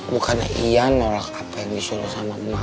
bukannya iya nolak apa yang disuruh sama emak